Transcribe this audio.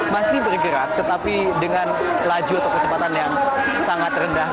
masih bergerak tetapi dengan laju atau kecepatan yang sangat rendah